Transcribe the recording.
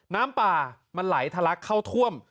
น้ำป่ามันไหลทะลักเข้าท่วม